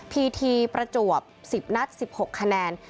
พีทีประจวบ๑๐นัด๑๖คะแนน